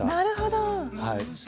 なるほど。